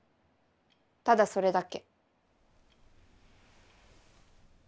ただそれだけ。